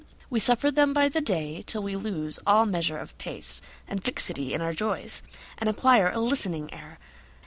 We suffer them by the dayTill we lose all measure of pace, And fixity in our joys, And acquire a listening air.